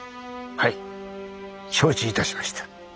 はい承知いたしました。